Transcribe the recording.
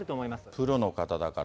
プロの方だから。